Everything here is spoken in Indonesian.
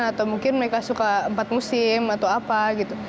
atau mungkin mereka suka empat musim atau apa gitu